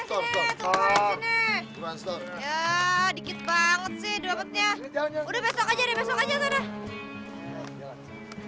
tunggu di restoran